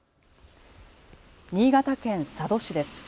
新潟県佐渡市です。